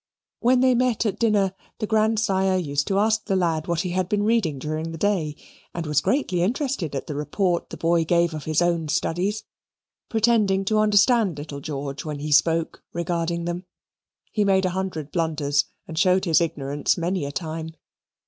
When they met at dinner the grandsire used to ask the lad what he had been reading during the day, and was greatly interested at the report the boy gave of his own studies, pretending to understand little George when he spoke regarding them. He made a hundred blunders and showed his ignorance many a time.